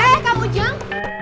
eh kak ujung